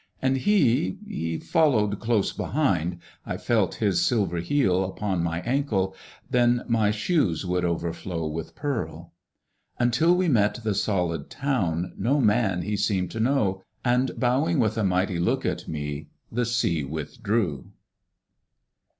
And he he followed close behind; I felt his silver heel Upon my ankle, then my shoes Would overflow with pearl. Until we met the solid town, No man he seemed to know; And bowing with a mighty look At me, the sea withdrew.